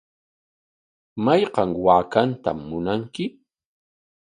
¿Mayqan waakaatam munanki?